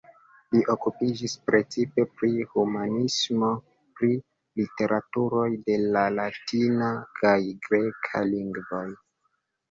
Li okupiĝis precipe pri humanismo, pri literaturoj de la latina kaj greka lingvoj.